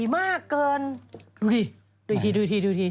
มันใหญ่มากเกินดูดิ